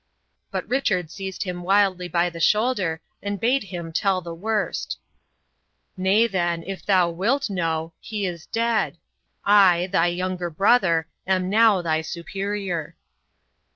But Richard seized him wildly by the shoulder, and bade him tell the worst. "Nay, then, if thou wilt know, he is dead. I, thy younger brother, am now thy superior."